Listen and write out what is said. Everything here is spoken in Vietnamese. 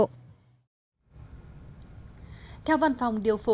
theo văn phòng điều phòng